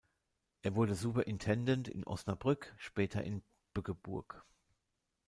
Er wurde Superintendent in Osnabrück, später in Bückeburg.